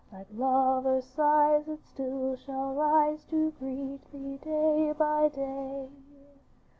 Like lover's sighs it still shall rise To greet thee day by day.